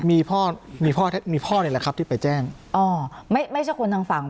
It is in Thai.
มีพ่อมีพ่อมีพ่อนี่แหละครับที่ไปแจ้งอ๋อไม่ไม่ใช่คนทางฝั่ง